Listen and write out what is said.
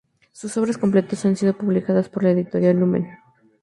Sus obras completas han sido publicadas por la Editorial Lumen.